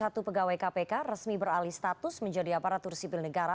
satu pegawai kpk resmi beralih status menjadi aparatur sipil negara